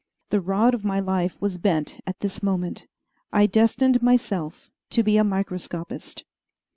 The rod of my life was bent at this moment. I destined myself to be a microscopist.